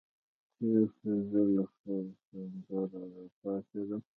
تېر شو، زه له خپل سنګره را پاڅېدم.